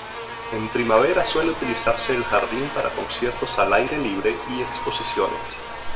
En primavera suele utilizase el jardín para conciertos al aire libre y exposiciones.